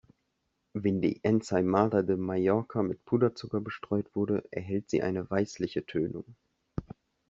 Wenn die Ensaïmada de Mallorca mit Puderzucker bestreut wurde, erhält sie eine weißliche Tönung.